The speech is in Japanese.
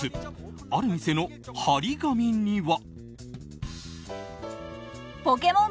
ある店の貼り紙には。